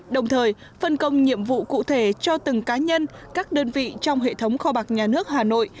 đồng thời phân công nhiệm vụ cụ thể cho từng cá nhân các đơn vị trong hệ thống kho bạc nhà nước hà nội